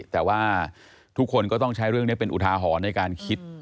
แต่ว่าทุกคนก็ต้องใช้เรื่องนี้เป็นอุทาหรณ์ในการคิด